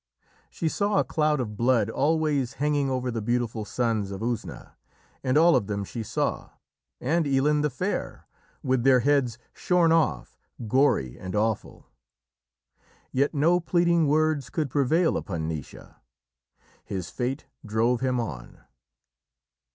She saw a cloud of blood always hanging over the beautiful Sons of Usna, and all of them she saw, and Illann the Fair, with their heads shorn off, gory and awful. Yet no pleading words could prevail upon Naoise. His fate drove him on.